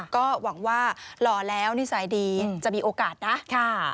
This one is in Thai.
ก็หวังว่าหล่อแล้วนิสัยดีจะมีโอกาสนะ